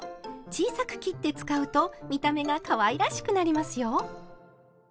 小さく切って使うと見た目がかわいらしくなりますよ。